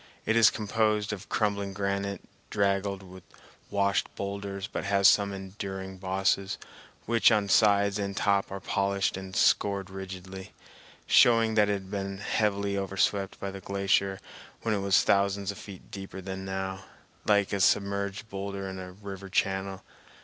It is composed of crumbling granite draggled with washed boulders, but has some enduring bosses which on sides and top are polished and scored rigidly, showing that it had been heavily overswept by the glacier when it was thousands of feet deeper than now, like a submerged boulder in a river channel.